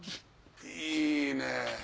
いいね。